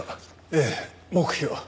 ええ黙秘を。